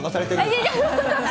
いやいや。